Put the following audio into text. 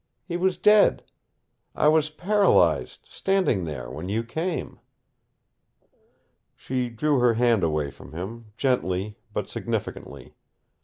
He was dead. I was paralyzed, standing there, when you came." She drew her, hand away from him, gently, but significantly.